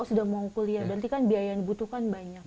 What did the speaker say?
sudah mau kuliah berarti kan biaya yang dibutuhkan banyak